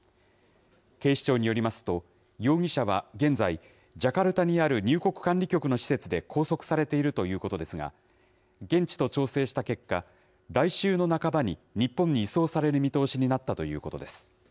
警視庁によりますと、容疑者は現在、ジャカルタにある入国管理局の施設で拘束されているということですが、現地と調整した結果、来週の半ばに、日本に移送される見通しになったということです。